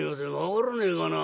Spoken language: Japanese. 「分からねえかな。